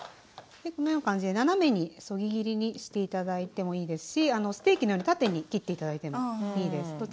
このような感じで斜めにそぎ切りにして頂いてもいいですしステーキのように縦に切って頂いてもいいです。